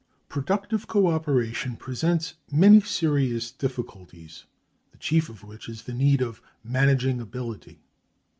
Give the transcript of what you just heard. Productive co operation presents many serious difficulties, the chief of which is the need of managing ability.